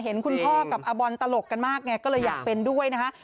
เห็นคุณพ่อกับอาบอลตลกกันมากไงก็เลยอยากเป็นด้วยนะคะ